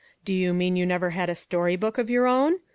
Do you mean you never had a story book of your own?